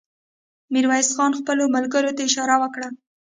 ميرويس خان خپلو ملګرو ته اشاره وکړه.